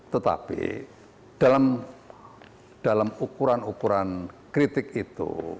tetapi dalam ukuran ukuran kritik itu